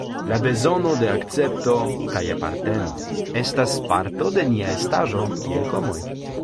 La bezono de akcepto kaj aparteno estas parto de nia estaĵo kiel homoj.